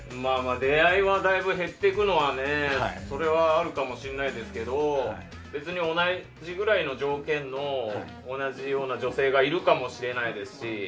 出会いがだいぶ減っていくのはそれはあるかもしれないですけど同じぐらいの条件の同じような女性がいるかもしれないですし。